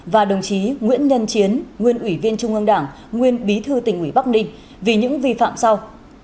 và đồng chí nguyễn nhân chiến nguyên ủy viên trung ương đảng nguyên bí thư tỉnh ủy bắc ninh vì những vi phạm sau